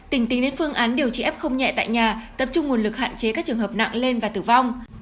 tỉnh tính đến phương án điều trị f không nhẹ tại nhà tập trung nguồn lực hạn chế các trường hợp nặng lên và tử vong